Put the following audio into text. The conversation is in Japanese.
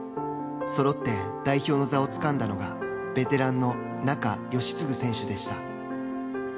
そろって代表の座をつかんだのがベテランの仲喜嗣選手でした。